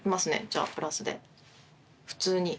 じゃあプラスで普通に。